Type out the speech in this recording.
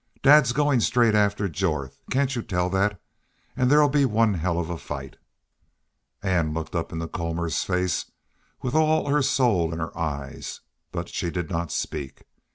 Dad is goin' straight after Jorth. Can't you tell that? An' there 'll be one hell of a fight." Ann looked up into Colmor's face with all her soul in her eyes, but she did not speak.